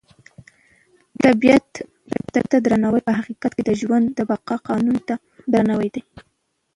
طبیعت ته درناوی په حقیقت کې د ژوند د بقا قانون ته درناوی دی.